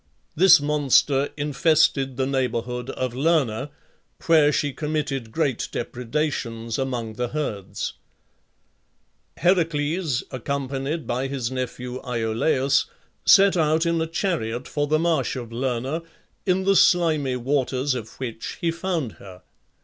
This monster infested the neighbourhood of Lerna, where she committed great depredations among the herds. Heracles, accompanied by his nephew Iolaus, set out in a chariot for the marsh of Lerna, in the slimy waters of which he found her.